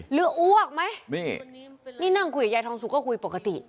อ้วกไหมนี่นี่นั่งคุยกับยายทองสุกก็คุยปกติ